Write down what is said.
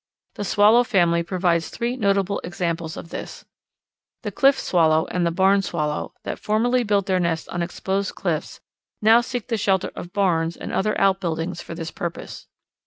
The Swallow family provides three notable examples of this. The Cliff Swallow and Barn Swallow that formerly built their nests on exposed cliffs now seek the shelter of barns and other outbuildings for this purpose.